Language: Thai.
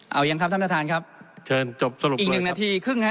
เอายังครับท่านประธานครับเชิญจบสรุปอีกหนึ่งนาทีครึ่งฮะ